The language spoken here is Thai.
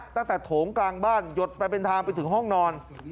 โถงกลางบ้านหยดไปเป็นทางไปถึงห้องนอน